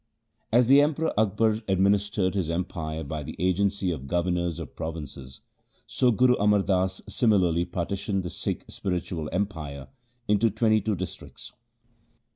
As the Emperor Akbar administered his empire by the agency of governors of provinces, so Guru Amar Das similarly partitioned the Sikh spiritual empire into twenty two districts.